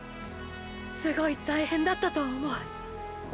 すごい大変だったと思う。！